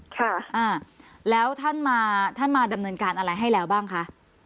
ค่ะอ่าแล้วท่านมาท่านมาดำเนินการอะไรให้แล้วบ้างคะ